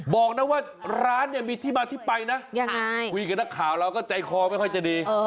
บอกนะว่าร้านเนี่ยมีที่มาที่ไปนะยังไงคุยกับนักข่าวเราก็ใจคอไม่ค่อยจะดี